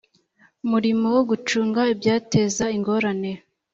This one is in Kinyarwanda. murimo wo gucunga ibyateza ingorane